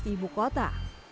di ibu kota